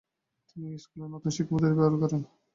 তিনি এই স্কুলে নতুন শিক্ষাপদ্ধতি ব্যবহার করেন।